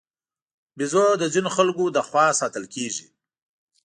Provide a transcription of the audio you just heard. بیزو د ځینو خلکو له خوا ساتل کېږي.